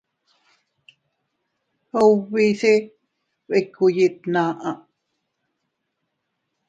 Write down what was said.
Ubi se bikkúu yiʼin tnaʼa.